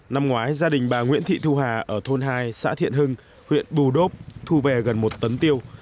năm ngoái gia đình bà nguyễn thị thu hà ở thôn hai xã thiện hưng huyện bù đốp thu về gần một tấn tiêu